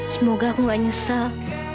semoga aku gak nyesel